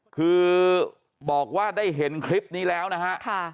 คือบอกว่าได้เห็นคลิปนี้แล้วนะฮะ